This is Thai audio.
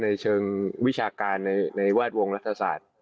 ในเชิงวิชาการในแวดวงรัฐศาสตร์